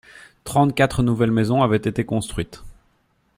Trente-quatre nouvelles maisons avaient été construites.